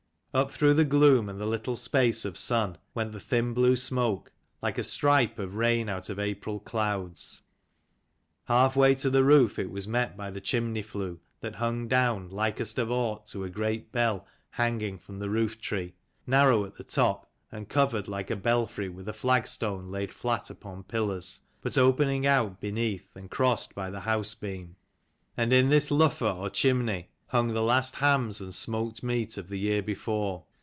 Up through the gloom and the little space of sun went the thin blue smoke, like a stripe of rain out of April clouds. Half way to the roof it was met by the chimney flue, that hung down likest of ought to a great bell hanging from the roof tree, narrow at the top and covered like a belfry with a flagstone laid flat upon pillars, but opening out beneath and crossed by the house beam. And in this luffer or chimney hung the last hams and smoked meat of the year before.